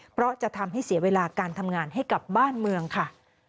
เพราะจะทำให้เสียเวลาการทำงานให้กับบ้านเมืองค่ะ